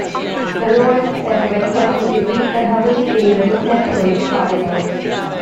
The Royals then went on to defeat the heavily favored Saint Louis Cardinals.